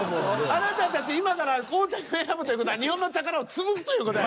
あなたたち今から大谷を選ぶという事は日本の宝を潰すという事やで。